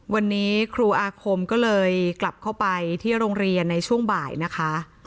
วันนี้ครูอาคมก็เลยกลับเข้าไปที่โรงเรียนในช่วงบ่ายนะคะ